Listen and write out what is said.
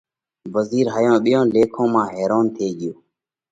وزِير هائِيون ٻيئِيون ليکون مانه حيرونَ ٿي ڳيو۔